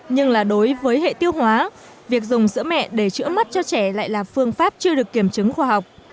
nhưng là đối với hệ tiêu hóa việc dùng sữa mẹ để chữa mắt cho trẻ lại là phương pháp chưa được kiểm chứng khoa học